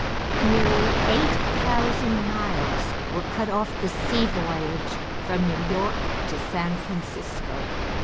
Nearly eight thousand miles were cut off the sea voyage from New York to San Francisco.